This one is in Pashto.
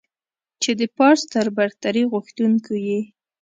چې د پارس تر برتري غوښتونکو يې.